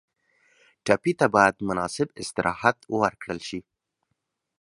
ټپي ته باید مناسب استراحت ورکړل شي.